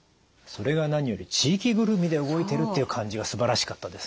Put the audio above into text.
それが何より地域ぐるみで動いてるっていう感じがすばらしかったですね。